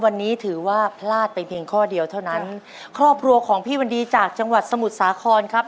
วันนี้ถือว่าพลาดไปเพียงข้อเดียวเท่านั้นครอบครัวของพี่วันดีจากจังหวัดสมุทรสาครครับ